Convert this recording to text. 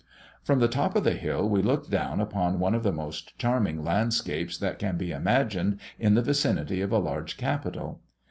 From the top of the hill we look down upon one of the most charming landscapes that can be imagined in the vicinity of a large capital.